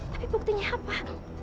tapi buktinya apa